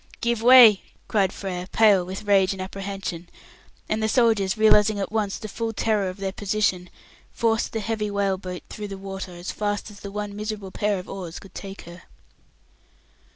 "Give way!" cried Frere, pale with rage and apprehension, and the soldiers, realizing at once the full terror of their position, forced the heavy whale boat through the water as fast as the one miserable pair of oars could take her.